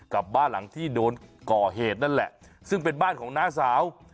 กับบ้านหลังที่โดนก่อเหตุนั่นแหละซึ่งเป็นบ้านของน้าสาว